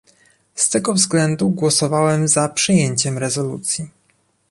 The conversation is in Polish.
Z tego względu głosowałem za przyjęciem rezolucji